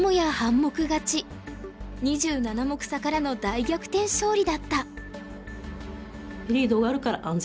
２７目差からの大逆転勝利だった。